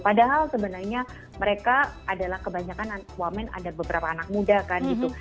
padahal sebenarnya mereka adalah kebanyakan wamen ada beberapa anak muda kan gitu